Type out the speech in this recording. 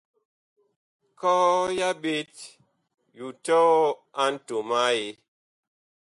Kɔɔ ya ɓet yu tɔɔ a ntom a Eee.